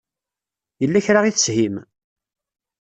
Yella kra i teshim?